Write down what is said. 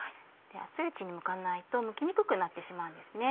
熱いうちにむかないとむきにくくなってしまうんです。